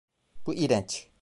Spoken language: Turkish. Bu iğrenç.